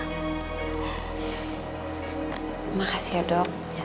terima kasih ya dok